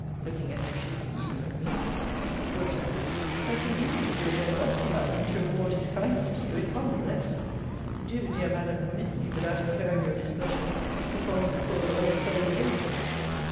[Looking as if she'd be even with me]. D. As he leaves it to your generosity, Madam, to reward his kindness to you, it can't be less. Do, dear Madam, permit me, without incurring your displeasure, to call him poor old soul again.